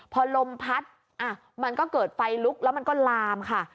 พอลมพัดมันก็เกิดไฟลุกแล้วมันก็ลามค่ะ